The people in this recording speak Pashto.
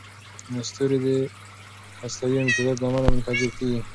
ستوري د هستوي امتزاج له امله منفجر کېږي.